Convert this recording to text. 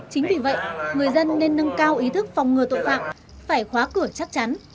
chính vì vậy người dân nên nâng cao ý thức phòng ngừa tội phạm phải khóa cửa chắc chắn